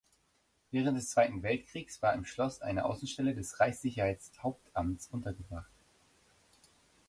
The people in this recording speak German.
Während des Zweiten Weltkriegs war im Schloss eine Außenstelle des Reichssicherheitshauptamts untergebracht.